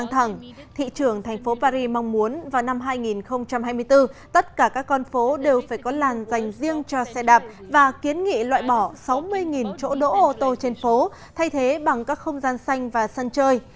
thị trường thành phố paris mong muốn vào năm hai nghìn hai mươi bốn tất cả các con phố đều phải có làn dành riêng cho xe đạp và kiến nghị loại bỏ sáu mươi chỗ đỗ ô tô trên phố thay thế bằng các không gian xanh và sân chơi